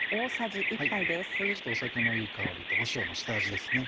これでちょっと酒のいい香りと塩の下味ですね。